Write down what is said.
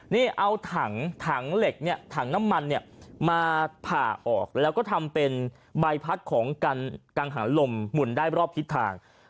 นี่เอาถังถังเหล็กเนี่ยถังน้ำมันเนี่ยมาผ่าออกแล้วก็ทำเป็นใบพัดของกังหันลมหมุนได้รอบทิศทาง